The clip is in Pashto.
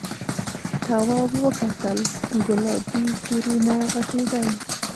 تواب وکتل گلابي کورونه غټېدل.